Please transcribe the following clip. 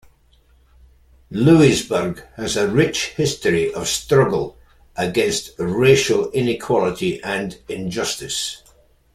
Louisburg has a rich history of struggle against racial inequality and injustice.